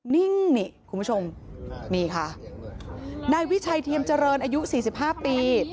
นิ่งนี่คุณผู้ชมค่ะนี่ค่ะนายวิชัยเทียนเจริญอายุสี่สิบห้าปี